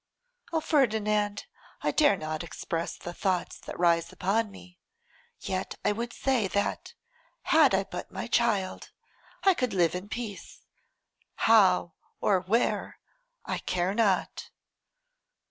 'O! Ferdinand, I dare not express the thoughts that rise upon me; yet I would say that, had I but my child, I could live in peace; how, or where, I care not.